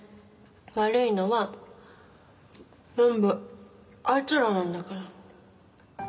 悪いのは全部あいつらなんだから。